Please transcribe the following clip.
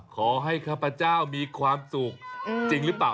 ขอให้ข้าพเจ้าขอให้ข้าพเจ้า